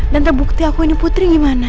dan terbukti aku ini putri gimana